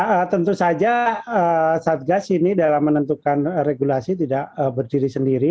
ya tentu saja satgas ini dalam menentukan regulasi tidak berdiri sendiri